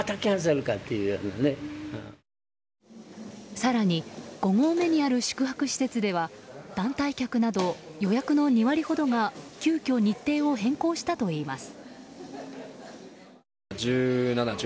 更に５合目にある宿泊施設では団体客など予約の２割ほどが急きょ日程を変更したといいます。